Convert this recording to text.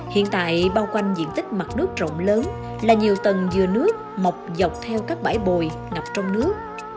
hiện tại bao quanh diện tích mặt nước rộng lớn là nhiều tầng dừa nước mọc dọc theo các bãi bồi ngập trong nước